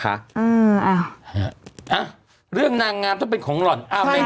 ฮะเรื่องนางงามต้องเป็นของหล่อนอัลแมนด้า